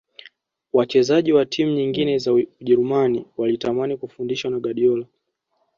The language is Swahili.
Wachezaji wa timu nyingine za ujerumani walitamani kufundishwa na guardiola